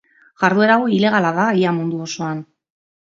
Jarduera hau ilegala da ia mundu osoan.